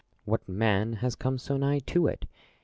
what man has come so nigh to it